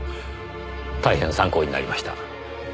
大変参考になりました。